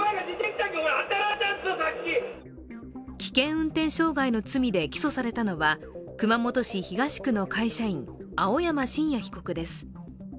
危険運転傷害の罪で起訴されたのは熊本市東区の会社員、青山真也被告です。